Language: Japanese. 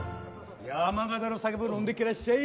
山形の酒も飲んでけらっしゃい！